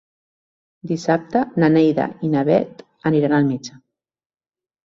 Dissabte na Neida i na Bet aniran al metge.